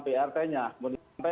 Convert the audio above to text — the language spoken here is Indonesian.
prt nya kemudian sampai